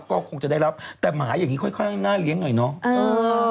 ก็คงจะได้รับแต่หมาอย่างนี้ค่อนข้างน่าเลี้ยงหน่อยเนาะ